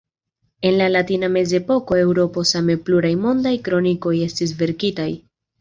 En la latina mezepoko de Eŭropo same pluraj mondaj kronikoj estis verkitaj.